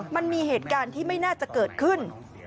มันมีเหตุการณ์ที่ไม่น่าจะเกิดขึ้น